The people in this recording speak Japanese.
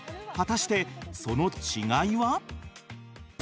果たしてその違いは？